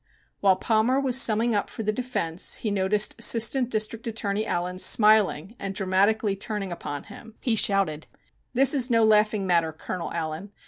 While Palmer was summing up for the defense he noticed Assistant District Attorney Allen smiling and dramatically turning upon him, he shouted: "This is no laughing matter, Colonel Allen.